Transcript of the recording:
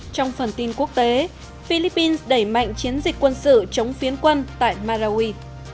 trong phần tin quốc tế philippines đẩy mạnh chiến dịch quân sự chống phiến quân tại marawi